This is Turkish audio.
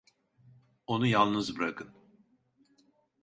Onu yalnız bırakın!